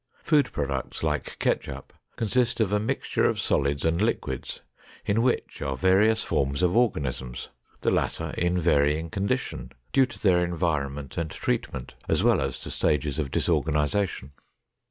Food products, like ketchup, consist of a mixture of solids and liquids in which are various forms of organisms, the latter in varying condition, due to their environment and treatment, as well as to stages of disorganization.